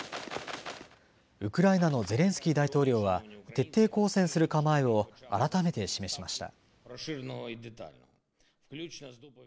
ウクライナのゼレンスキー大統領は、徹底抗戦する構えを改めて示しました。